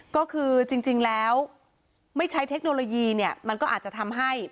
ก็คือจริงแล้วไม่ใช้เทคโนโลยีเนี่ยมันก็อาจจะทำให้